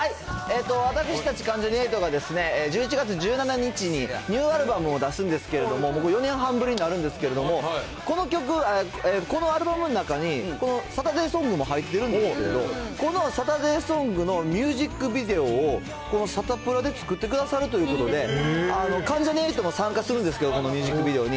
私たち関ジャニ∞が、１１月１７日にニューアルバムを出すんですけれども、４年半ぶりになるんですけど、このアルバムの中に、サタデーソングも入ってるんですけど、このサタデーソングのミュージックビデオを、このサタプラで作ってくださるということで、関ジャニ∞も参加するんですけど、このミュージックビデオに。